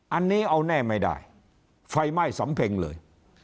อันนี้เอาแน่ไม่ได้ไฟไหม้สำเพ็งเลย